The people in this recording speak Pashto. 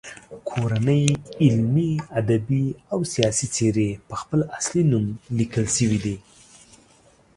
کورنۍ علمي، ادبي او سیاسي څیرې په خپل اصلي نوم لیکل شوي دي.